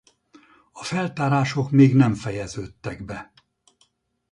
A feltárások még nem fejeződtek be.